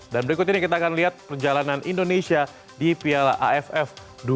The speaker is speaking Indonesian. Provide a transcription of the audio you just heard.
dan berikut ini kita akan lihat perjalanan indonesia di piala aff dua ribu dua puluh dua